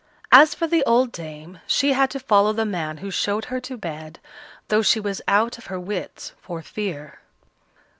As for the old dame, she had to follow the man who showed her to bed, though she was out of her wits for fear.